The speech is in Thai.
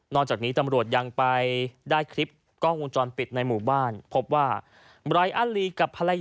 นอกจากนี้ตำรวจยังไปได้คลิปกล้องกงมุมบ้านพบว่า